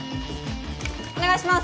お願いします